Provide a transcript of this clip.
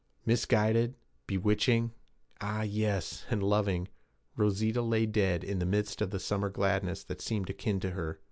Misguided, bewitching, ah, yes, and loving, Rosita lay dead in the midst of the summer gladness that seemed akin to her.